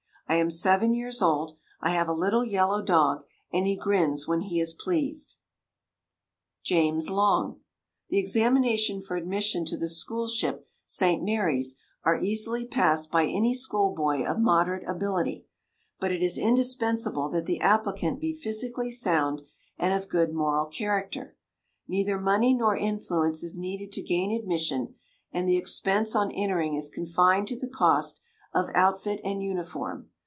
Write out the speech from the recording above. I am seven years old. I have a little yellow dog, and he grins when he is pleased. JAMES LONG. The examinations for admission to the school ship St. Mary's are easily passed by any school boy of moderate ability, but it is indispensable that the applicant be physically sound, and of good moral character. Neither money nor influence is needed to gain admission, and the expense on entering is confined to the cost of outfit and uniform.